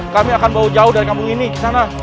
kami akan bau jauh dari kampung ini ke sana